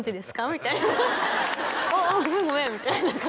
みたいな「ああごめんごめん」みたいな感じ